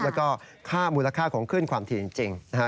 แล้วก็ค่ามูลค่าของขึ้นความถี่จริงนะฮะ